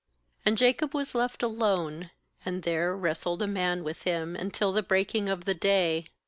^And Jacob was left alone; and there wrestled a man with him until the breaking of the day.